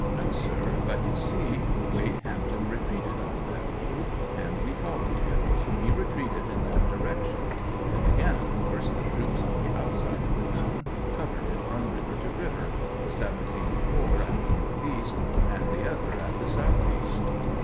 No, sir ; but you see Wade Hampton retreated on that road, and we followed him ; he retreated in that direction ; then, again, of course the troops on the outside of the town covered it from river to river — the 17th corps at the northeast and the other at the south east.